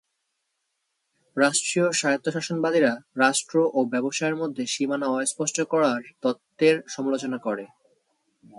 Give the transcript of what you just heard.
রাষ্ট্রীয় স্বায়ত্ত্বশাসনবাদীরা রাষ্ট্র ও ব্যবসায়ের মধ্যে সীমানা অস্পষ্ট করার তত্ত্বের সমালোচনা করে।